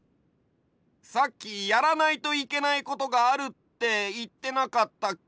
さっき「やらないといけないことがある」っていってなかったっけ？